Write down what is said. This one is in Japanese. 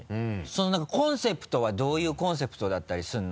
なんかコンセプトはどういうコンセプトだったりするの？